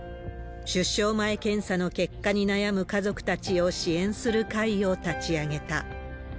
出生前検査の結果に悩む家族たちを支援する会を立ち上げた。